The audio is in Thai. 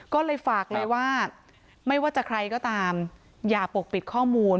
ก็เลยฝากเลยว่าไม่ว่าจะใครก็ตามอย่าปกปิดข้อมูล